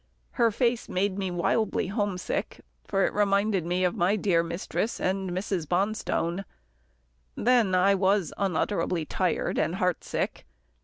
Her face made me wildly homesick, for it reminded me of my dear mistress and Mrs. Bonstone. Then, I was unutterably tired and heartsick.